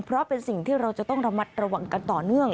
เพราะเป็นสิ่งที่เราจะต้องระมัดระวังกันต่อเนื่อง